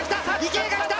池江がきた！